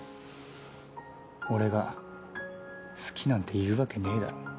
俺が「好き」なんて言うわけねぇだろ。